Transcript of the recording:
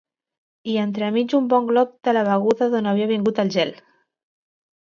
I entremig un bon glop de la beguda d'on havia vingut el gel.